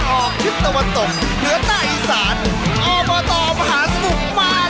ออปเตอร์มหาสนุก